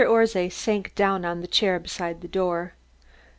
Orszay sank down on the chair beside the door.